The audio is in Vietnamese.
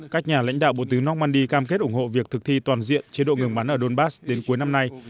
các nhà lãnh đạo bộ tứ normandy cam kết ủng hộ việc thực thi toàn diện chế độ ngừng bắn ở donbass đến cuối năm nay